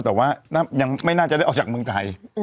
แต่ว่ายังไม่น่าจะได้ออกจากเมืองไทย